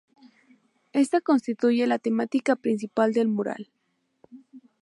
Esta constituye la temática principal del mural.